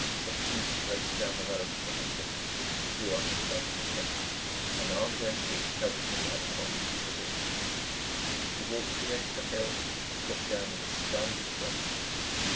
A jeep raced down the road from the hospital and drew up in front of the tent. An armed MP helped Miss Abercrombie from the vehicle. She walked to the edge of the hill and looked down with a stunned expression.